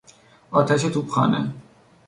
آتش توپخانه